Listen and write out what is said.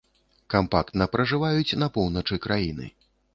Кампактна пражываюць на поўначы краіны.